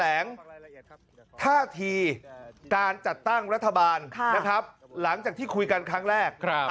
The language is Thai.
ท่าทีการจัดตั้งรัฐบาลนะครับหลังจากที่คุยกันครั้งแรก